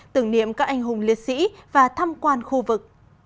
tưởng niệm các anh hùng liệt sĩ và thăm quan khu vực